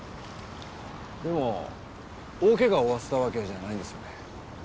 でも大怪我を負わせたわけじゃないんですよね？